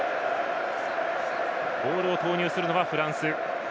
ボールを投入するのはフランス。